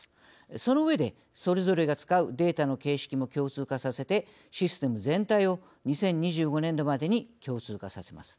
その上でそれぞれが使うデータの形式も共通化させてシステム全体を２０２５年度までに共通化させます。